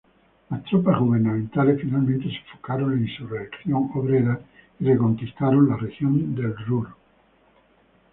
Las tropas gubernamentales finalmente sofocaron la insurrección obrera y reconquistaron la región del Ruhr.